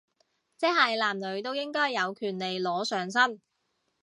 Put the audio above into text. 即係男女都應該有權利裸上身